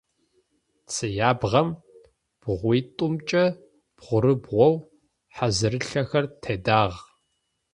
Цыябгъэм бгъуитӏумкӏэ бгъурыбгъоу хьазырылъэхэр тедагъ.